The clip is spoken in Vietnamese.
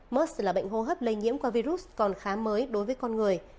mers là bệnh hô hấp lây nhiễm qua virus còn khá mới đối với con người